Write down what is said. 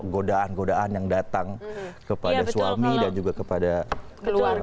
godaan godaan yang datang kepada suami dan juga kepada keluarga